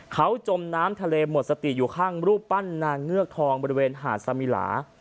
เขาจมน้ำทะเลหมดสติอยู่ข้างรูปปั้นนางเงือกทองบริเวณหาดสมิลา